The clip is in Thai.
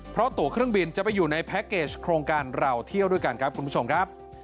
เพราะตัวเครื่องบินจะไปอยู่ในแพ็คเกจโครงการเราเที่ยวด้วยกันครับคุณผู้ชมครับ